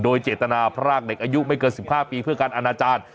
โดยเจตนาพรากเด็กอายุไม่เกิน๑๕ปีเพื่อการอนาจารย์